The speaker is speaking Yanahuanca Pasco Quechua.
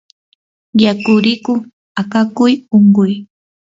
yakurikuq akakuy unquy